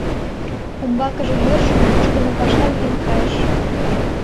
Умбакыже йӧршын вучыдымо паша лийын кайыш.